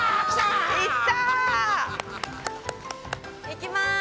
いきます！